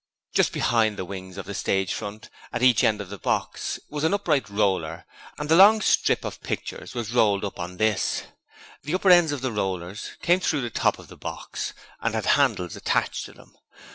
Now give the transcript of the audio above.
Just behind the wings of the stage front at each end of the box was an upright roller, and the long strip of pictures was rolled up on this. The upper ends of the rollers came through the top of the box and had handles attached to them.